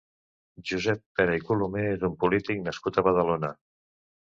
Josep Pera i Colomé és un polític nascut a Badalona.